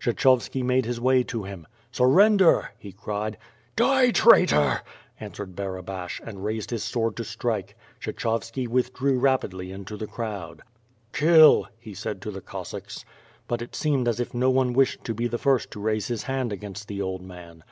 Kshechovski made his way to him. "Surrender!" he cried. "Die, traitor!" answered Barabash and raised his sword to strike. Kshechovski withdrew rapidly into the crowd. "Kill!" he said to the Cossacks. But it seemed as if no one wished to be the first to raise his hand against the old man.